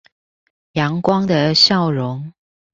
陽光的笑容